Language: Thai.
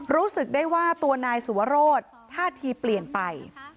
รู้สึกได้ว่าตัวนายสุวรสท่าทีเปลี่ยนไป